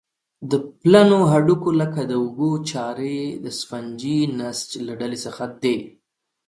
د پلنو هډوکو لکه د اوږو چارۍ د سفنجي نسج له ډلې څخه دي.